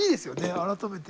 改めて。